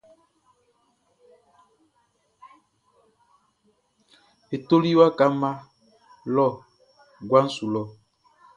E toli waka mma lɔ guaʼn su lɔ.